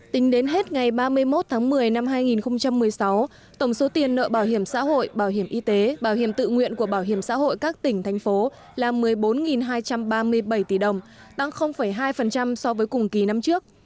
tính đến hết ngày ba mươi một tháng một mươi năm hai nghìn một mươi sáu tổng số tiền nợ bảo hiểm xã hội bảo hiểm y tế bảo hiểm tự nguyện của bảo hiểm xã hội các tỉnh thành phố là một mươi bốn hai trăm ba mươi bảy tỷ đồng tăng hai so với cùng kỳ năm trước